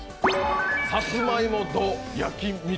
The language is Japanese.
さつまいもド焼き蜜